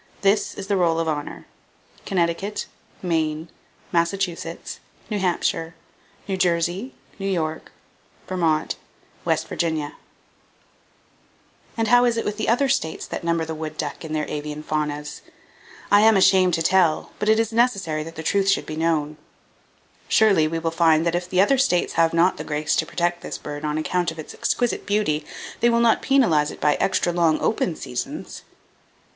This, is the Roll Of Honor Connecticut New Jersey Maine New York Massachusetts Vermont New Hampshire West Virginia [Page 29] WOOD DUCK Regularly Killed as "Food" in 15 States And how is it with the other states that number the wood duck in their avian faunas? I am ashamed to tell; but it is necessary that the truth should be known. Surely we will find that if the other states have not the grace to protect this bird on account of its exquisite beauty they will not penalize it by extra long open seasons.